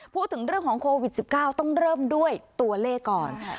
พูดถึงเรื่องของโควิด๑๙ต้องเริ่มด้วยตัวเลขก่อน